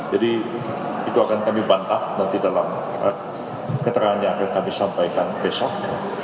jadi itu akan kami bantah nanti dalam keterangan yang akan kami sampaikan besok